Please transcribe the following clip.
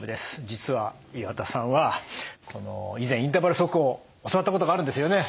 実は岩田さんは以前インターバル速歩を教わったことがあるんですよね？